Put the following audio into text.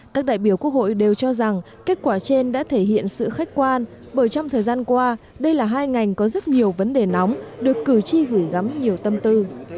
các đại biểu quốc hội đều cho rằng kết quả trên đã thể hiện sự khách quan bởi trong thời gian qua đây là hai ngành có rất nhiều vấn đề nóng được cử tri gửi gắm nhiều tâm tư